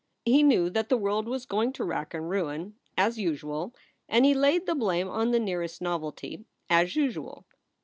He knew that the world was going to wrack and ruin as usual and he laid the blame on the nearest novelty as usual.